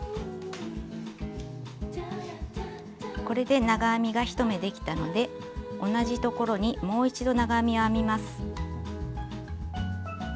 これで長編みが１目できたので同じところにもう一度長編みを編みます。